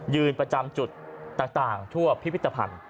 ประจำจุดต่างทั่วพิพิธภัณฑ์